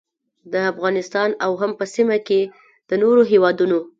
د افغانستان او هم په سیمه کې د نورو هیوادونو